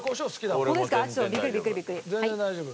俺も全然大丈夫。